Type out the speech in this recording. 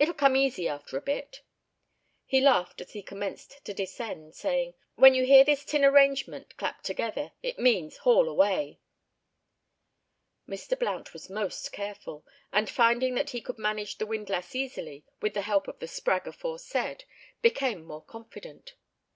It'll come easy after a bit." He laughed as he commenced to descend, saying, "When you hear this tin arrangement clap together, it means 'haul away.'" Mr. Blount was most careful, and finding that he could manage the windlass easily, with the help of the "sprag" aforesaid, became more confident.